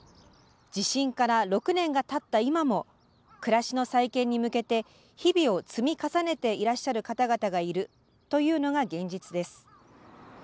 地震から６年がたった今も暮らしの再建に向けて日々を積み重ねていらっしゃる方々がいるというのが現実です。